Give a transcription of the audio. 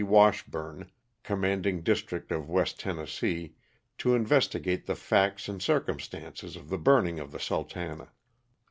Washburne, commanding district of West Tennessee, to investigate the facts and circumstances of the burning of the ♦♦Sultana."